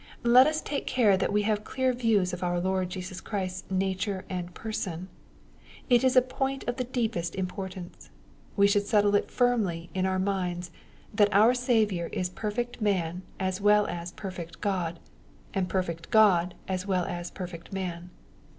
Let us take care that we have clear views of our Lord Jesus Christ's nature and person. It is a point of the deepest importance. We should settle it firmly in our minds, that our Saviour is perfect man as well as perfect God, and perfect God as well as perfect man.